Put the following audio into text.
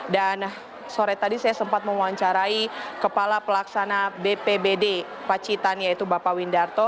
dan sore tadi saya sempat memuancarai kepala pelaksana bpbd pacitan yaitu bapak windarto